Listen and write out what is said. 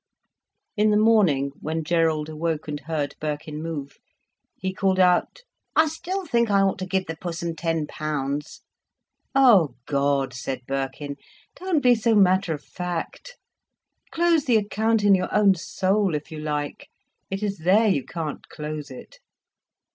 In the morning when Gerald awoke and heard Birkin move, he called out: "I still think I ought to give the Pussum ten pounds." "Oh God!" said Birkin, "don't be so matter of fact. Close the account in your own soul, if you like. It is there you can't close it."